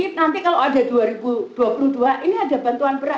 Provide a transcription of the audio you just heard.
jadi nanti kalau ada dua ribu dua puluh dua ini ada bantuan berat